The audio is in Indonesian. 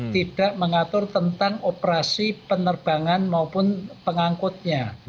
tidak mengatur tentang operasi penerbangan maupun pengangkutnya